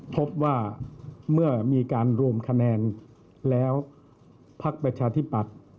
พบว่าเมื่อมีการรวมคะแนนแล้วพักประชาธิปัตย์